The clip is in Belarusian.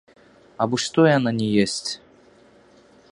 Абы што яна не есць.